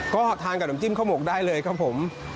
ก็ทานกับน้ำจิ้มข้าวหมกได้เลยครับผม